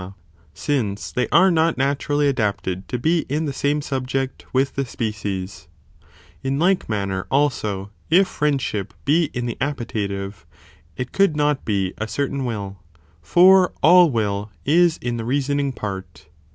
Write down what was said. Ennius ap. Cic. de Off. +P. CHAP. V. | THE TOPICS. 435 since they are not naturally gpapted to be in the same (sub ject) with the species. In like manner also, if friendship be in the appetitive, it could not be a certain will, for all will, is in the reasoning part.